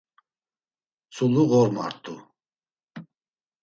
Tzulu ğormart̆u.